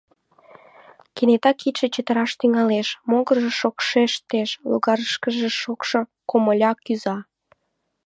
Кенета кидше чытыраш тӱҥалеш, могыржо шокшештеш, логарышкыже шокшо комыля кӱза: